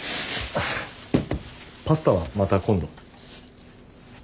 パスタはまた今度。